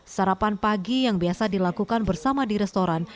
sarapan pagi yang biasa dilakukan bersama di restoran